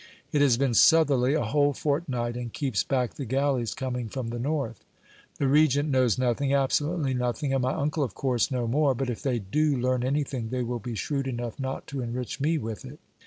It has been southerly a whole fortnight, and keeps back the galleys coming from the north. The Regent knows nothing, absolutely nothing, and my uncle, of course, no more. But if they do learn anything they will be shrewd enough not to enrich me with it."